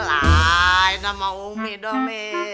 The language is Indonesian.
lain sama umi dong mi